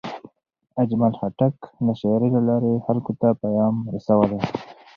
اجمل خټک د شاعرۍ له لارې خلکو ته پیام رسولی.